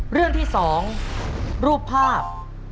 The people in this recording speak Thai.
เรื่องที่๒รูปภาพ